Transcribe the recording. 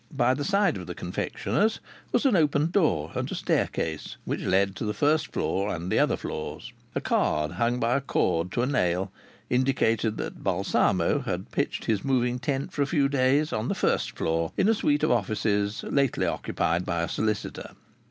By the side of the confectioner's was an open door and a staircase, which led to the first floor and the other floors. A card hung by a cord to a nail indicated that Balsamo had pitched his moving tent for a few days on the first floor, in a suite of offices lately occupied by a solicitor.